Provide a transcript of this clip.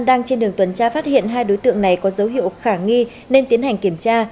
đang trên đường tuần tra phát hiện hai đối tượng này có dấu hiệu khả nghi nên tiến hành kiểm tra